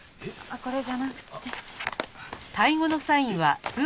これじゃなくて。